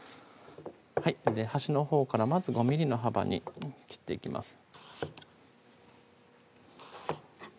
はい端のほうからまず５ｍｍの幅に切っていきます